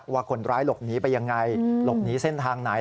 ว่าคนร้ายหลบหนีไปยังไงหลบหนีเส้นทางไหน